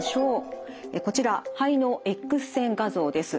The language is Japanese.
こちら肺のＸ線画像です。